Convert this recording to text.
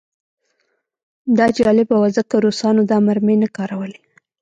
دا جالبه وه ځکه روسانو دا مرمۍ نه کارولې